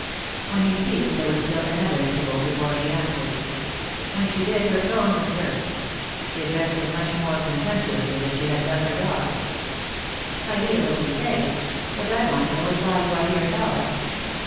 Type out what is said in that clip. When he ceased there was still another interval before she answered. When she did her tone was curt ; she addressed him much more contemptuously than she had done her dog. "I hear what you say. What I want to know is why you are here at all